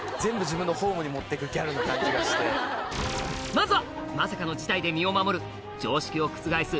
まずはまさかの事態で身を守る常識を覆す